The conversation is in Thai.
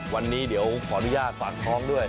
วันนี้เดี๋ยวขออนุญาตฝากท้องด้วย